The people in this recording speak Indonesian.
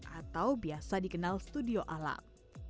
atau biasa dikenal studio alam